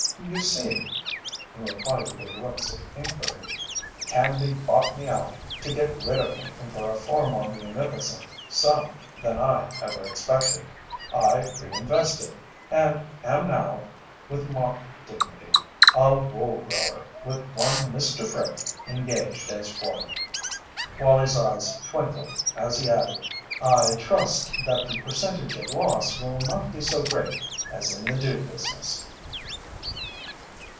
You see," in reply to their looks of inquiry, "Canby bought me out, to get rid of me, and for a far more munificent sum than I ever expected. I re invested, and am now," with mock dignity, "a wool grower with one Mr. Fripp engaged as foreman." Wallie's eyes twinkled as he added: "I trust that the percentage of loss will not be so great as in the dude business."